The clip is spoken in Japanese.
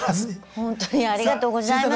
ほんとにありがとうございます。